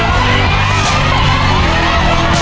ชิคกี้พาย